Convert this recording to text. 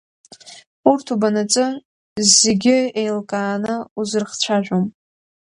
Урҭ убонаҵы, зегьы еилакны узрыхцәажәом.